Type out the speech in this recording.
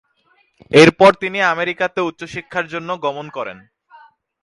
এরপর তিনি আমেরিকাতে উচ্চশিক্ষার জন্য গমন করেন।